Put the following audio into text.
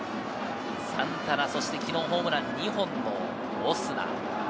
サンタナ、そして昨日ホームラン２本のオスナ。